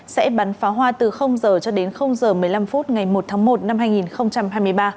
sẽ bắn phá hoa từ giờ cho đến giờ một mươi năm phút ngày một tháng một năm hai nghìn hai mươi ba